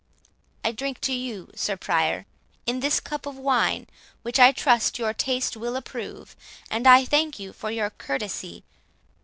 —I drink to you, Sir Prior, in this cup of wine, which I trust your taste will approve, and I thank you for your courtesy.